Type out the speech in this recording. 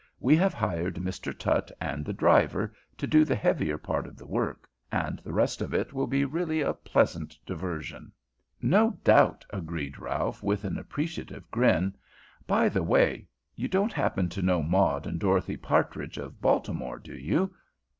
We have hired Mr. Tutt and the driver to do the heavier part of the work, and the rest of it will be really a pleasant diversion." "No doubt," agreed Ralph, with an appreciative grin. "By the way, you don't happen to know Maud and Dorothy Partridge, of Baltimore, do you?